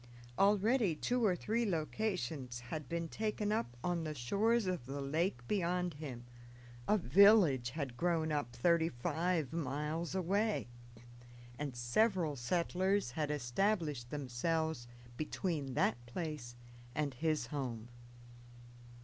Already two or three locations had been taken up on the shores of the lake beyond him, a village had grown up thirty five miles away, and several settlers had established themselves between that place and his home.